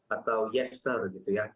atau yes sir gitu ya